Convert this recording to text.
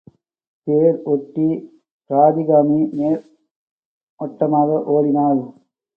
தேர் ஒட்டி பிராதிகாமி நேர் ஒட்டமாக ஓடினான்.